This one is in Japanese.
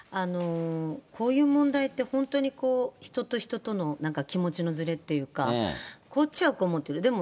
こういう問題って、本当に人と人との、なんか気持ちのずれっていうか、こっちはこう思ってる、でも